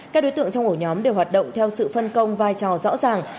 các đối tượng trong ổ nhóm đều hoạt động theo sự phân công vai trò rõ ràng